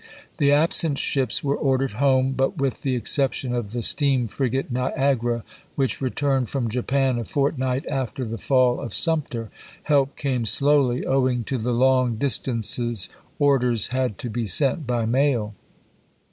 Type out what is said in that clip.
The absent ships were ordered home, but with the exception of the steam frigate Niagara, which returned from Japan a fortnight after the fall of Sumter, help came slowly owing to the long dis tances orders had to be sent by mail.